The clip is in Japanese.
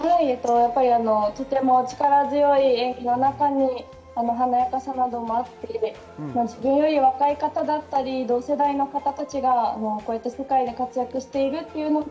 とても力強い演技の中に華やかさなどもあって、自分より若い方だったり同世代の方が世界で活躍しているというのも